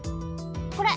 これ。